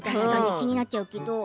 気になっちゃうけど。